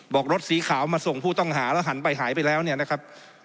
รถสีขาวมาส่งผู้ต้องหาแล้วหันไปหายไปแล้วเนี่ยนะครับ